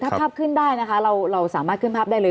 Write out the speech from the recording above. ถ้าภาพขึ้นได้นะคะเราสามารถขึ้นภาพได้เลย